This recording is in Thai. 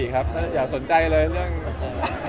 ปกติครับไม่ต้องอยากสนใจเลยไอกีอะ